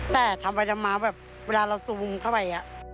แต่ทำไปทำมาแบบเวลาเราซูมเข้าไป